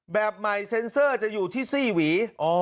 แบบใหม่เซ็นเซอร์จะอยู่ที่ซี่หวี